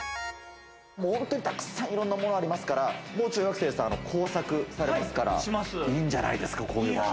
本当にたくさん、いろいろなものがありますから、もう中学生さん、工作されるからいいんじゃないですか？